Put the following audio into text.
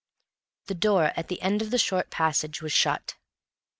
The door, at the end of the short passage was shut.